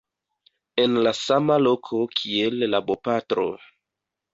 en la sama loko kiel la bopatro